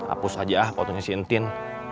apus aja ah potongnya si entin